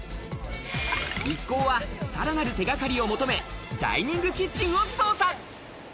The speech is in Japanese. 一行は、さらなる手がかりを求め、ダイニングキッチンを捜査。